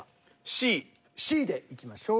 Ｃでいきましょう。